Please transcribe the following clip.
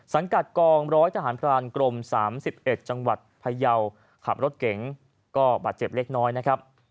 สังกัดกองร้อยทหารพรานกรม๓๑จังหวัดพยาวขับรถเก๋งก็บาดเจ็บเล็กน้อยนะครับ